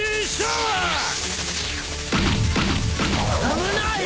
危ない！